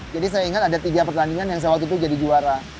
jadi saya ingat ada tiga pertandingan yang saya waktu itu jadi juara